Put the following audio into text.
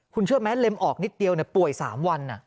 คุณเชื่อไหมเล็มออกนิดเดียวป่วย๓วัน